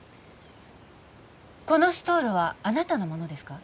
このストールはあなたのものですか？